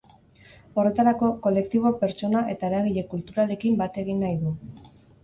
Horretarako, kolektibo, pertsona eta eragile kulturalekin bat egin nahi du.